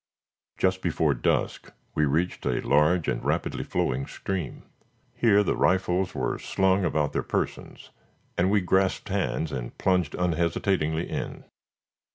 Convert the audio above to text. Just before dusk we reached a large and rapidly flowing stream. Here the rifles were slung about their persons, and we grasped hands and plunged unhesitatingly in.